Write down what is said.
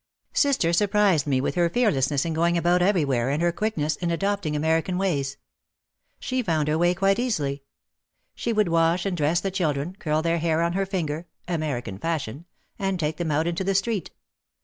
Sister surprised me with her fearlessness in going about everywhere and her quickness in adopting Amer OUT OF THE SHADOW 151 ican ways. She found her way quite easily. She would wash and dress the children, curl their hair on her finger, ' 'American fashion," and take them out into the street.